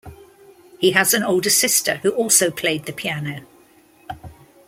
He has an older sister who also played the piano.